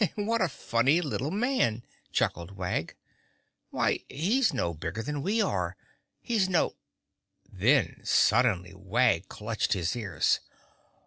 "What a funny little man," chuckled Wag. "Why, he's no bigger than we are. He's no—!" Then suddenly Wag clutched his ears.